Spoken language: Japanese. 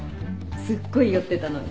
すっごい酔ってたのに。